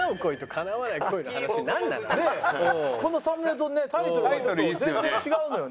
このサムネとねタイトルがちょっと全然違うのよね。